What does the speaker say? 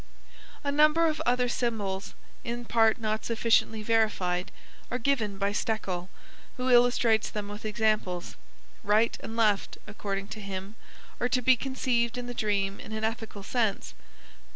A number of other symbols, in part not sufficiently verified are given by Stekel, who illustrates them with examples. Right and left, according to him, are to be conceived in the dream in an ethical sense.